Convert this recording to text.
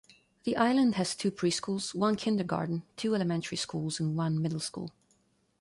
The island has two pre-schools, one kindergarten, two elementary schools and one middle school.